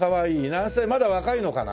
何歳まだ若いのかな？